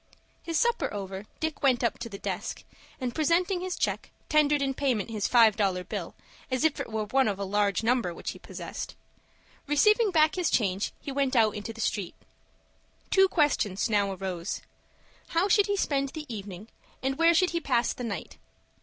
His supper over, Dick went up to the desk, and, presenting his check, tendered in payment his five dollar bill, as if it were one of a large number which he possessed. Receiving back his change he went out into the street. Two questions now arose: How should he spend the evening, and where should he pass the night?